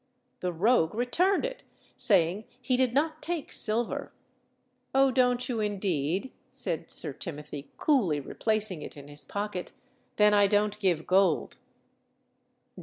The rogue returned it, saying he did not take silver. "Oh, don't you, indeed?" said Sir Timothy, coolly replacing it in his pocket; "then I don't give gold."